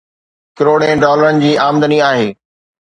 ڪروڙين ڊالرن جي آمدني آهي